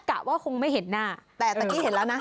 กะว่าคงไม่เห็นหน้าแต่ตะกี้เห็นแล้วนะ